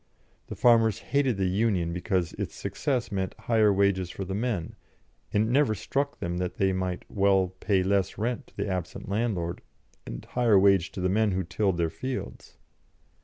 The farmers hated the Union because its success meant higher wages for the men, and it never struck them that they might well pay less rent to the absent landlord and higher wage to the men who tilled their fields.